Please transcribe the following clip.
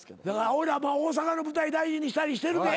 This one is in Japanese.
おいらは大阪の舞台大事にしたりしてるで。